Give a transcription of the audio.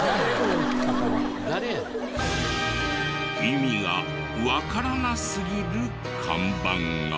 意味がわからなすぎる看板が。